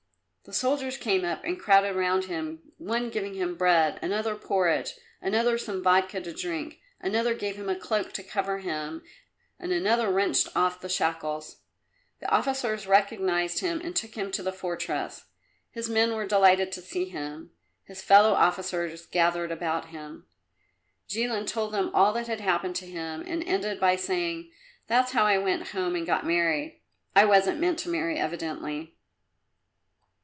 The soldiers came up and crowded round him, one giving him bread, another porridge, another some vodka to drink, another gave him his cloak to cover him, and another wrenched off the shackles. The officers recognized him and took him to the fortress. His men were delighted to see him; his fellow officers gathered about him. Jilin told them all that had happened to him and ended by saying, "That's how I went home and got married. I wasn't meant to marry, evidently."